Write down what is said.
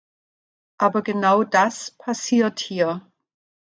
Aber genau das passiert hier.